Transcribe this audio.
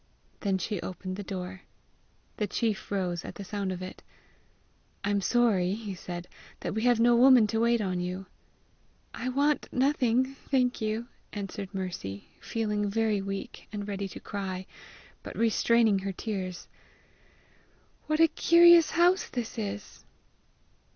Then she opened the door. The chief rose at the sound of it. "I'm sorry," he said, "that we have no woman to wait on you." "I want nothing, thank you!" answered Mercy, feeling very weak and ready to cry, but restraining her tears. "What a curious house this is!"